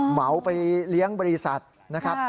เหมาไปเลี้ยงบริษัทนะครับ